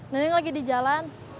neneng lagi di jalan